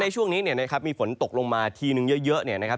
ในช่วงนี้มีฝนตกลงมาทีหนึ่งเยอะนะครับ